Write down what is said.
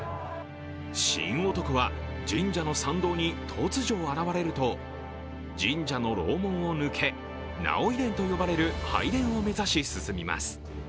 神男は神社の参道に突如現れると、神社の楼門を抜け、儺追殿と呼ばれる拝殿を目指して進みます。